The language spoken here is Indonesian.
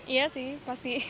iya sih pasti